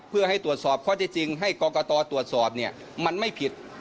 เพื่อให้ตรวจสอบข้อที่จริงให้กรกตตรวจสอบเนี่ยมันไม่ผิด